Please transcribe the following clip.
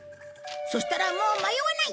そしたらもう迷わない！